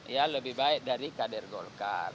ya lebih baik dari kader golkar